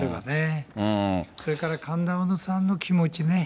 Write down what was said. それから神田うのさんの気持ちね。